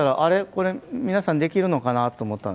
これ、皆さんできるのかなと思った